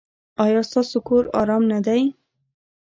ایا ستاسو کور ارام نه دی؟